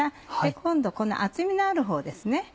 今度この厚みのあるほうですね。